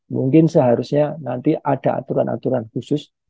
mungkin seharusnya nanti ada aturan aturan khusus